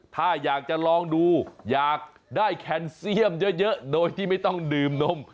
ถ้าอยากจะลองดูอยากได้แคนเซียมเยอะโดยที่ไม่ต้องดื่มนม